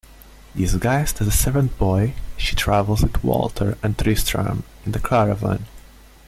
Disguised as a servant boy, she travels with Walter and Tristram in the caravan.